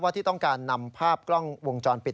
ที่ต้องการนำภาพกล้องวงจรปิด